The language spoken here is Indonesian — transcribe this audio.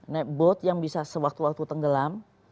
naik bot yang bisa sewaktu waktu tenggelam